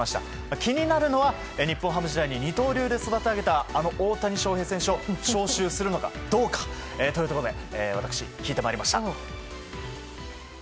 気になるのは日本ハム時代に二刀流で育てられたあの大谷翔平選手を招集するのかどうかというところで私、聞いてまいりました。